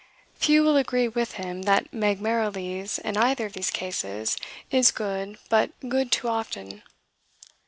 Few will agree with him that Meg Merrilies, in either of these cases, is "good, but good too often."